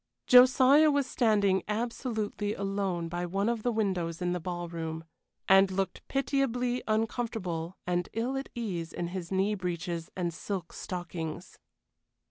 Josiah was standing absolutely alone by one of the windows in the ballroom, and looked pitiably uncomfortable and ill at ease in his knee breeches and silk stockings.